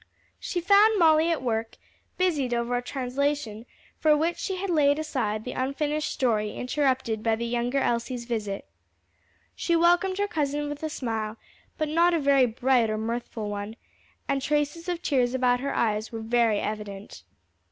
She found Molly at work, busied over a translation for which she had laid aside the unfinished story interrupted by the younger Elsie's visit. She welcomed her cousin with a smile, but not a very bright or mirthful one, and traces of tears about her eyes were very evident.